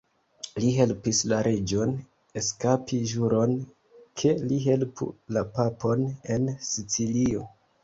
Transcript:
Li helpis la reĝon eskapi ĵuron ke li helpu la papon en Sicilio.